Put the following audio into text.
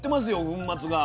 粉末が。